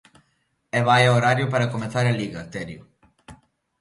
E vaia horario para comezar a Liga, Terio.